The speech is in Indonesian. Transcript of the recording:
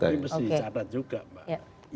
ini mesti dicatat juga mbak